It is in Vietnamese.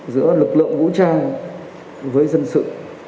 giữa lực lượng vũ trang với dân sự